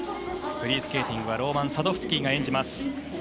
フリースケーティングはローマン・サドフスキーが演じます。